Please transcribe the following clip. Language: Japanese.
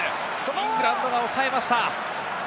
イングランドが抑えました。